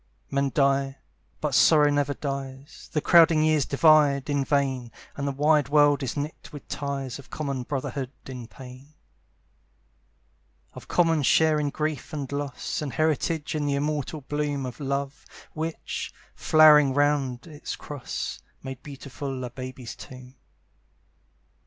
Men die, but sorrow never dies; The crowding years divide in vain, And the wide world is knit with ties Of common brotherhood in pain; Of common share in grief and loss, And heritage in the immortal bloom Of Love, which, flowering round its cross, Made beautiful a baby's tomb.